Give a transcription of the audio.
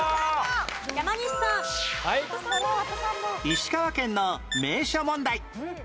石川県の名所問題